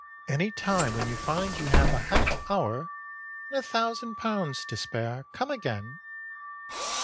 "Any time when you find you have a half hour and £1000 to spare come again.